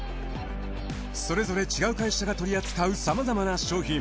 それぞれ違う会社が取り扱うさまざまな商品。